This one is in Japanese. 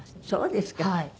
そうですか。